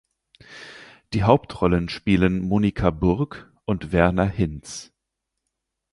Die Hauptrollen spielen Monika Burg und Werner Hinz.